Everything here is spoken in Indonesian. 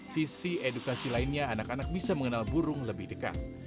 sisi edukasi lainnya anak anak bisa mengenal burung lebih dekat